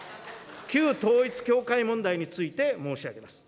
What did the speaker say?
旧統一教会問題について申し上げます。